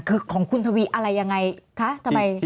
คือของคุณทวีอะไรยังไงคะ